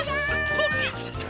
そっちいっちゃった。